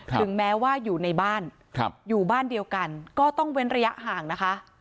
ถึงแม้ว่าอยู่ในบ้านอยู่บ้านเดียวกันก็ต้องเว้นระยะห่างนะคะ